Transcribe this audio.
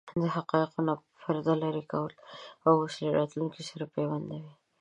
د حقایقو نه پرده لرې کوي او اوس له راتلونکې سره پیوندوي.